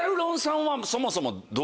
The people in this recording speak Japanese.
そもそも。